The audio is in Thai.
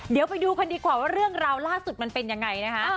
เดี๋ยวไปดูกันดีกว่าว่าเรื่องราวล่าสุดมันเป็นยังไงนะคะ